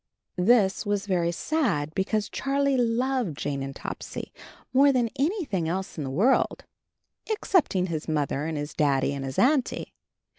This was very sad, because Charlie loved Jane and Topsy more than anything else in the world excepting his Mother and his Daddy and his Auntie.